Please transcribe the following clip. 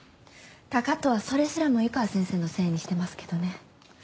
高藤はそれすらも湯川先生のせいにしてますけどね。